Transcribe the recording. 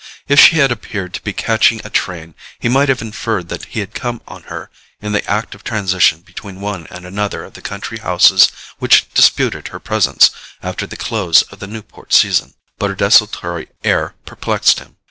If she had appeared to be catching a train, he might have inferred that he had come on her in the act of transition between one and another of the country houses which disputed her presence after the close of the Newport season; but her desultory air perplexed him.